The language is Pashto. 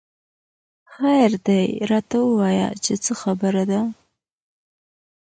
خېر دۍ راته وويه چې څه خبره ده